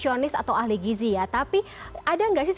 jadi otot kita di bawah normal